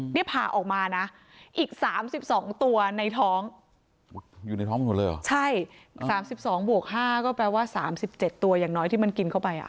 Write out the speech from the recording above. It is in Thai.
เนี้ยพาออกมานะอีกสามสิบสองตัวในท้องอยู่ในท้องมันหมดเลยเหรอใช่สามสิบสองบวกห้าก็แปลว่าสามสิบเจ็ดตัวอย่างน้อยที่มันกินเข้าไปอ่ะ